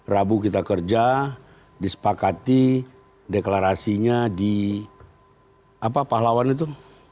rabu kita kerja disepakati deklarasinya di pahlawan itu